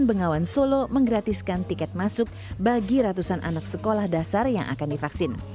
bengawan solo menggratiskan tiket masuk bagi ratusan anak sekolah dasar yang akan divaksin